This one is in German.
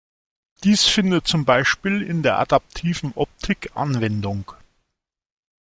Dies findet zum Beispiel in der adaptiven Optik Anwendung.